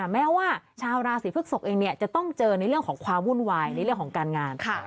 แม้ว่าชาวราศีพฤกษกเองจะต้องเจอในเรื่องของความวุ่นวายในเรื่องของการงาน